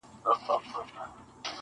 او پیسې یې ترلاسه کولې -